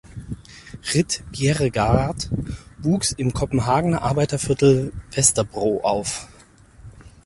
Ritt Bjerregaard wuchs im Kopenhagener Arbeiterviertel Vesterbro auf.